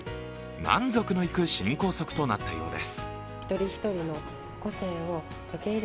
満足のいく新校則となったようです。